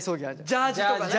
ジャージとかね。